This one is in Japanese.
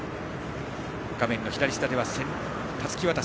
画面の左下ではたすき渡し。